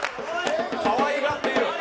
かわいがっている。